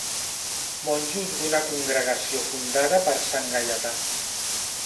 Monjos d'una congregació fundada per sant Gaietà.